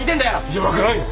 いや分からん。